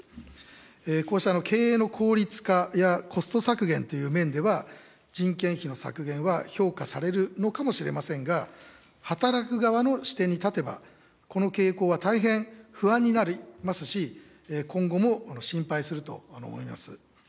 こうした経営の効率化やコスト削減という面では、人件費の削減は評価されるのかもしれませんが、働く側の視点に立てば、この傾向は大変不安になりますし、今後も心配すると思います。